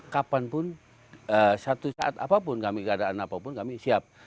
kapan pun satu saat apapun keadaan apapun kami siap